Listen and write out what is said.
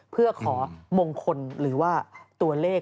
เพื่อขอมงคลหรือว่าตัวเลข